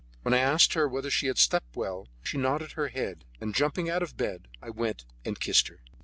When I asked her whether she had slept well, she nodded her head, and jumping out of bed, I went and kissed her.